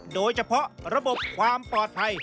โดยเฉพาะระบบความปลอดภัย